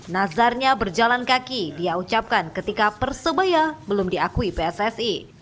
nazarnya berjalan kaki dia ucapkan ketika persebaya belum diakui pssi